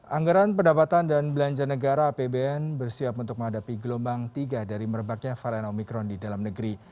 anggaran pendapatan dan belanja negara apbn bersiap untuk menghadapi gelombang tiga dari merebaknya varian omikron di dalam negeri